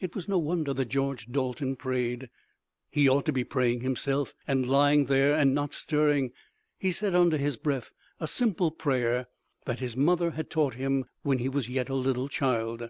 It was no wonder that George Dalton prayed. He ought to be praying himself, and lying there and not stirring he said under his breath a simple prayer that his mother had taught him when he was yet a little child.